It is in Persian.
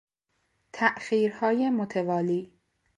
تاخیرهای متوالی